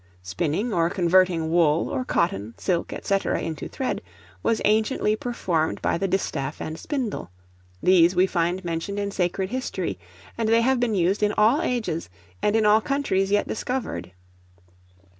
Spinning or converting wool, or cotton, silk, &c. into thread, was anciently performed by the distaff and spindle: these we find mentioned in sacred history, and they have been used in all ages, and in all countries yet discovered.